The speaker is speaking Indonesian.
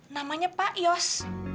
namanya pak ios